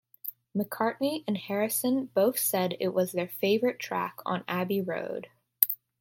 McCartney and Harrison both said it was their favourite track on Abbey Road.